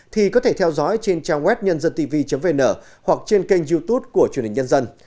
thì có thể theo dõi trên trang web nhân dân tivi vn hoặc trên kênh youtube của truyền hình nhân dân